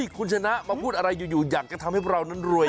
คุณชนะมาพูดอะไรอยู่อยากจะทำให้พวกเรานั้นรวย